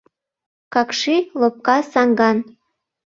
Какши, лопка саҥган.